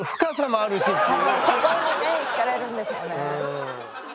そこにねひかれるんでしょうね。